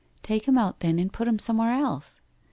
* Take him out then and put him somewhere else.'